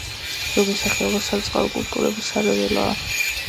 ზოგი სახეობა სარწყავი კულტურების სარეველაა.